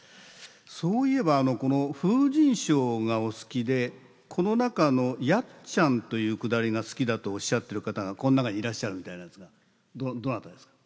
そういえばこの「風塵抄」がお好きでこの中の「やっちゃん」というくだりが好きだとおっしゃってる方がこの中にいらっしゃるみたいなんですがどなたですか？